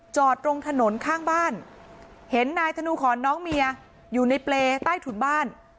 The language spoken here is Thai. จอดตรงถนนข้างบ้านเห็นนายธนูขอนน้องเมียอยู่ในเปรย์ใต้ถุนบ้าน